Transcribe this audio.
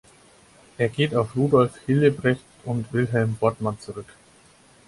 Er geht auf Rudolf Hillebrecht und Wilhelm Wortmann zurück.